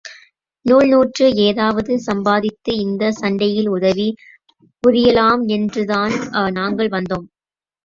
நூல் நூற்று ஏதாவது சம்பாதித்து, இந்தச் சண்டையில் உதவி புரியலாம் என்றுதான் நாங்கள் வந்தோம்.